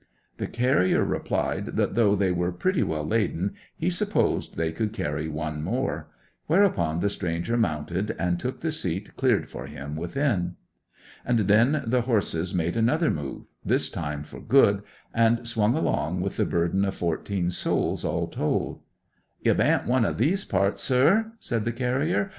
The carrier replied that though they were pretty well laden he supposed they could carry one more, whereupon the stranger mounted, and took the seat cleared for him within. And then the horses made another move, this time for good, and swung along with their burden of fourteen souls all told. 'You bain't one of these parts, sir?' said the carrier.